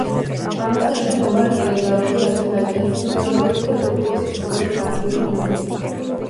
ამასთან ერთად ომარ ელდაროვი აზერბაიჯანის საზოგადოებრივი და კულტურული ცხოვრების აქტიური მონაწილეა.